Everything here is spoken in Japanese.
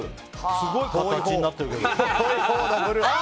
すごい形になってるけど。